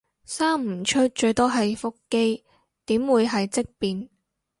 生唔出最多係腹肌，點會係積便